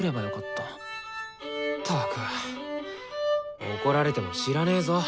ったく怒られても知らねぞ。